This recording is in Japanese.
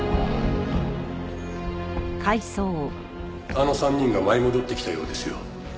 あの３人が舞い戻ってきたようですよ。